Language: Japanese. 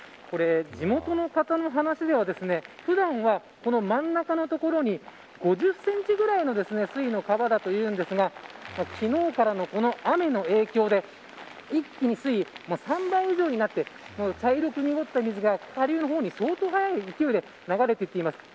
地元の方の話では普段は、真ん中の所に５０センチぐらいの水位の川だというんですが昨日からの、この雨の影響で一気に水位３倍以上になって茶色く濁った水が下流の方に相当速い勢いで流れていっています。